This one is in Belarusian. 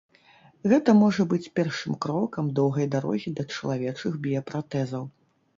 Гэта можа быць першым крокам доўгай дарогі да чалавечых біяпратэзаў.